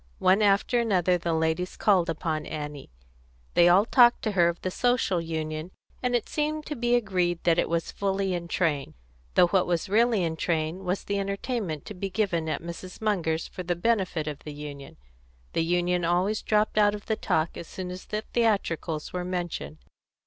One after another the ladies called upon Annie. They all talked to her of the Social Union, and it seemed to be agreed that it was fully in train, though what was really in train was the entertainment to be given at Mrs. Munger's for the benefit of the Union; the Union always dropped out of the talk as soon as the theatricals were mentioned.